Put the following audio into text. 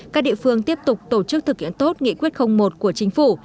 các địa phương tiếp tục tổ chức thực hiện tốt nghị quyết một của chính phủ